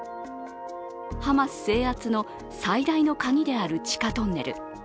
ハマス制圧の最大のカギである地下トンネル。